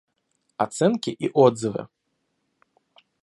Оценки и отзывы